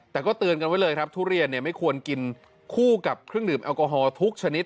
แต่ก็เตือนกันไว้เลยครับทุเรียนไม่ควรกินคู่กับเครื่องดื่มแอลกอฮอลทุกชนิด